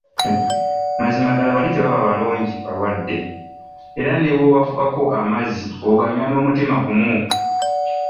Mazima ddala bali tebaba balungi balwadde, era ne bw’obafukako amazzi oganywa n’omutima gumu !